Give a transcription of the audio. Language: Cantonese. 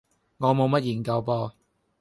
我冇乜研究噃